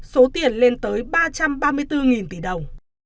số tiền lên tới ba trăm ba mươi bốn tỷ đồng